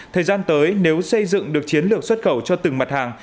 thời gian tới nếu xây dựng được chiến lược xuất khẩu cho từng mặt hàng